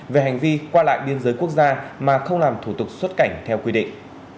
về hành vi qua lại biên giới quốc gia mà không làm thủ tục xuất cảnh theo quy định